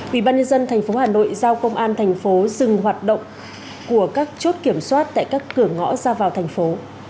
ủy ban nhân dân thành phố hà nội giao công an thành phố dừng hoạt động của các chốt kiểm soát tại các cửa ngõ ra vào thành phố